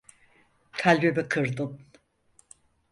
Kalbimi kırdın.